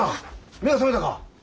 目が覚めたか？